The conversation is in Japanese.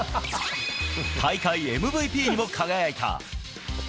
大会ＭＶＰにも輝いた。